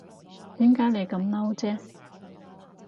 點解你咁嬲啫